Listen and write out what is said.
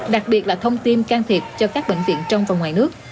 đặc biệt là thông tin can thiệp cho các bệnh viện trong và ngoài nước